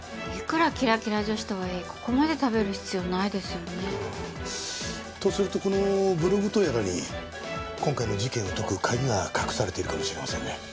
いくらキラキラ女子とはいえここまで食べる必要ないですよね。とするとこのブログとやらに今回の事件を解く鍵が隠されているかもしれませんね。